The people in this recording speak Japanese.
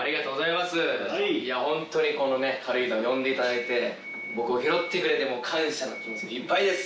いやホントにこのね軽井沢呼んでいただいて僕を拾ってくれて感謝の気持ちでいっぱいです。